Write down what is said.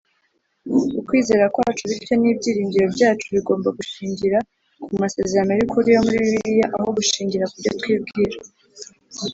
Ukwizera kwacu bityo n'ibyiringiro byacu bigomba gushingira ku masezerano y'ukuri yo muri Bibiliya aho gushingira ku byo twibwira.